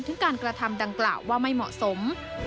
ถึงการกระทำดังกล่าวว่าไม่เหมาะสม